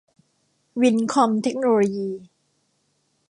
วินท์คอม เทคโนโลยี